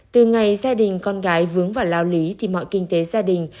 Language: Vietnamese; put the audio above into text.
từ ngày gia đình con gái vướng vào lao lý thì mọi kinh tế gia đình